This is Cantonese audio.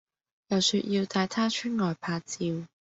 又說要帶她出外拍照